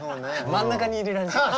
真ん中に入れられちゃった。